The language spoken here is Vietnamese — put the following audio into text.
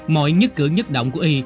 mọi nhất cửa nhất động của y